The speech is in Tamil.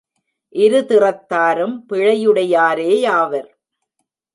இரு திறத்தாரும் பிழையுடையாரே யாவர்.